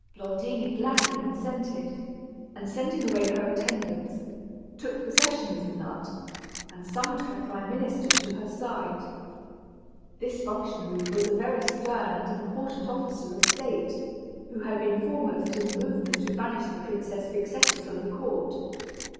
Blondina gladly consented, and sending away her attendants, took possession of the nut, and summoned her prime minister to her side. This functionary was a very stern and important officer of State, who had been foremost in the movement to banish the Princess Vixetta from the court.